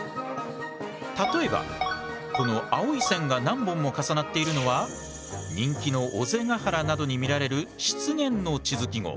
例えばこの青い線が何本も重なっているのは人気の尾瀬ヶ原などに見られる湿原の地図記号。